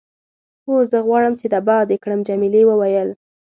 هو، زه غواړم چې تباه دې کړم. جميلې وويل:.